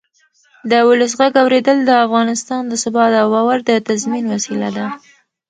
د ولس غږ اورېدل د افغانستان د ثبات او باور د تضمین وسیله ده